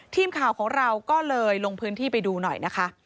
ทีมข่าวของเราก็เลยลงพื้นที่ไปดูหน่อยนะคะ